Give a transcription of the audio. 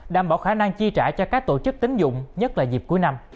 đảm bảo khả năng chi trả cho các tổ chức tính dụng nhất là dịp cuối năm